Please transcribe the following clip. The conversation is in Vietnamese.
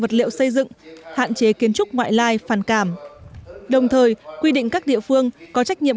vật liệu xây dựng hạn chế kiến trúc ngoại lai phản cảm đồng thời quy định các địa phương có trách nhiệm